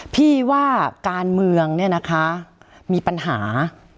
พี่ว่าการเมืองเนี่ยนะคะมีปัญหา